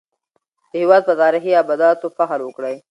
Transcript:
د هېواد په تاريخي ابداتو فخر وکړئ.